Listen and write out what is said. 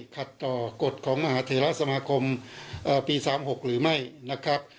ขัดต่อกฎของมหาเทราสมาคมปี๓๖หรือไม่นะครับ